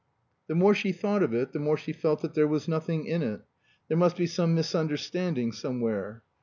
The more she thought of it the more she felt that there was nothing in it. There must be some misunderstanding somewhere.